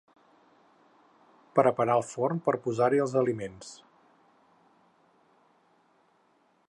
Preparar el forn per posar-hi els aliments.